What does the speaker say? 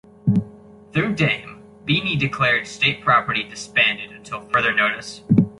Through Dame, Beanie declared State Property disbanded until further notice.